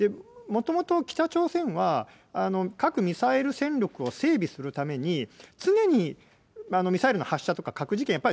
もともと北朝鮮は、核・ミサイル戦力を整備するために、常にミサイルの発射とか核実験